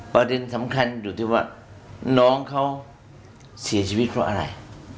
ประเด็นสำคัญอยู่ที่ว่าน้องเขาเสียชีวิตเพราะอะไร